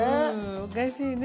おかしいね。